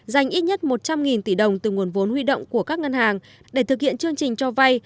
dành ít nhất một trăm linh tỷ đồng từ nguồn vốn huy động của các ngân hàng để thực hiện chương trình cho vay